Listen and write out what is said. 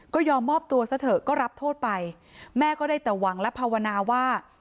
ก็ยอมมอบตัวซะเถอะก็รับโทษไปแม่ก็ได้แต่หวังและภาวนาว่า